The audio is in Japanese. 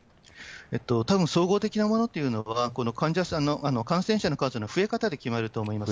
たぶん総合的なものというのが、この感染者の数の増え方で決まると思います。